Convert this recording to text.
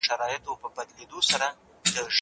هر څوک باید خپل برس پر وخت بدل کړي.